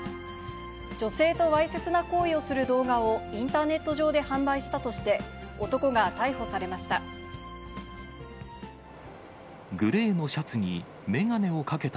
女性とわいせつな行為をする動画を、インターネット上で販売したとして、男が逮捕されました。